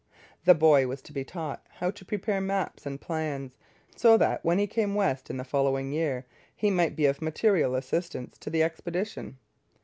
The boy was to be taught how to prepare maps and plans, so that, when he came west in the following year, he might be of material assistance to the expedition.